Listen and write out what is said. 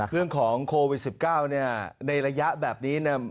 เรื่องของโควิด๑๙ในระยะแบบนี้